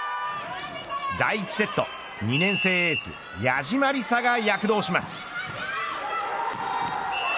第１セット２年生エース谷島里咲が躍動します。